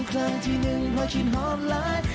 ครั้งที่หนึ่งว่าฉันหอดร้าย